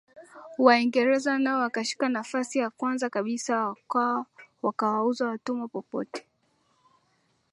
Waingereza nao wakashika nafasi ya kwanza kabisa wakawauza watumwa popote